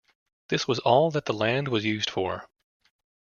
This was all that the land was used for.